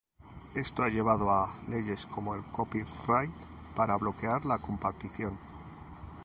Esto ha llevado a leyes como el copyright para bloquear la compartición.